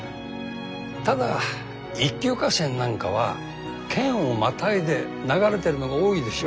ただ一級河川なんかは県をまたいで流れてるのが多いでしょ。